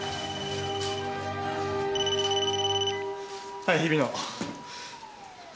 はい日比野。